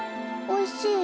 おいしい。